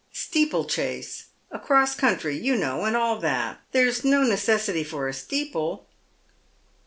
" Steeplechase — across country, you know, and all that. There'* no necessity for a steeple."